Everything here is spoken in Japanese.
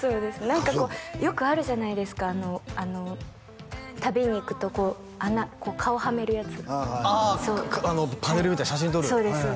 何かこうよくあるじゃないですかあの旅に行くとこう穴顔はめるやつああパネルみたいな写真撮るそうです